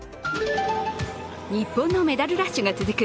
日本のメダルラッシュが続く